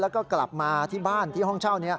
แล้วก็กลับมาที่บ้านที่ห้องเช่านี้